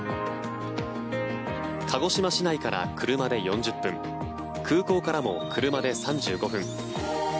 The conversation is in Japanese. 鹿児島市内から車で４０分空港からも車で３５分。